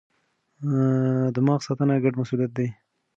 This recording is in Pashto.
دماغ ساتنه ګډ مسئولیت دی.